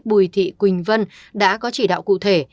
bùi thị quỳnh vân đã có chỉ đạo cụ thể